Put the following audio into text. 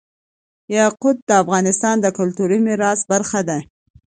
یاقوت د افغانستان د کلتوري میراث برخه ده.